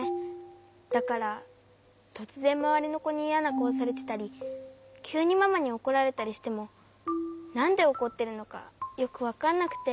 だからとつぜんまわりのこにイヤなかおされてたりきゅうにママにおこられたりしてもなんでおこってるのかよくわかんなくて。